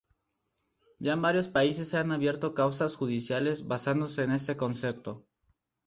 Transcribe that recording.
Ya en varios países se han abierto causas judiciales basándose en este concepto.